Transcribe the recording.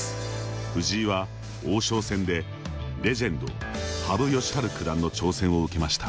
藤井は王将戦でレジェンド羽生善治九段の挑戦を受けました。